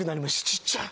ちっちゃい。